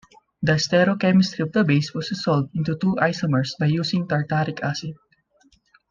The sterochemistry of the base was resolved into two isomers by using tartaric acid.